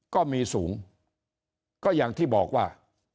ก็มีสูงก็อย่างที่บอกว่า